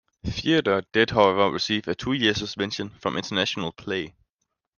Theodore did, however, receive a two-year suspension from international play.